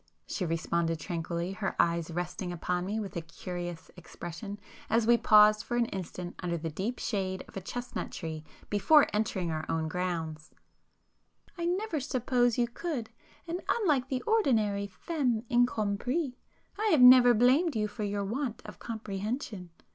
she responded tranquilly, her eyes resting upon me with a curious expression, as we paused for an instant under the deep shade of a chestnut tree before entering our own grounds—"I never supposed you could, and unlike the ordinary femme incomprise, I have never blamed you for your want of comprehension.